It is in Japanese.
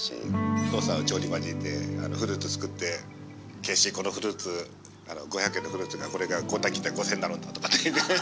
お父さんは調理場にいてフルーツ作って敬司このフルーツ５００円のフルーツがこうやって切ったら５，０００円になるんだとかね。